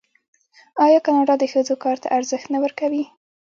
آیا کاناډا د ښځو کار ته ارزښت نه ورکوي؟